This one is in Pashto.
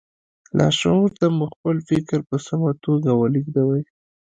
لاشعور ته مو خپل فکر په سمه توګه ولېږدوئ